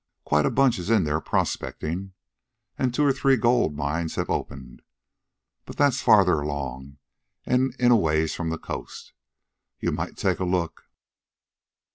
Quite a bunch is in there prospectin', an' two or three good mines have opened. But that's farther along and in a ways from the coast. You might take a look."